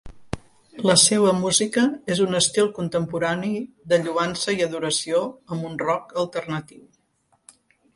La seua música és un estil contemporani de lloança i adoració amb un rock alternatiu.